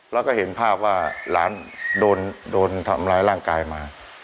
แล้วก็เห็นภาพว่าหลานโดนทำร้ายร่างกายมา